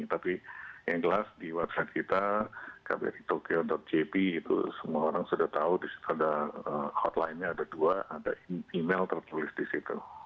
tapi yang jelas di website kita kbritokyo jp itu semua orang sudah tahu disitu ada hotline nya ada dua ada email tertulis disitu